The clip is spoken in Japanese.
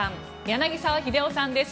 柳澤秀夫さんです。